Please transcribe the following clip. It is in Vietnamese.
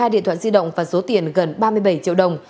một mươi điện thoại di động và số tiền gần ba mươi bảy triệu đồng